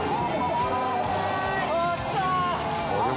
よっしゃ！